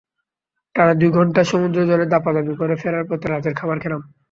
টানা দুই ঘণ্টা সমুদ্রজলে দাপাদাপি করে ফেরার পথে রাতের খাবার খেলাম।